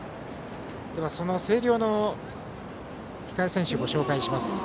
その星稜の控え選手をご紹介します。